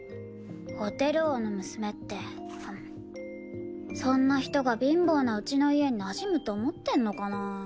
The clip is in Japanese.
ホテル王の娘ってそんな人が貧乏なうちの家になじむと思ってんのかな？